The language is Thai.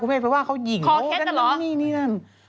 คุณแม่ไปว่าเขาหญิงโลกนั้นนี่นี่นั่นพอแคลร์เหรอ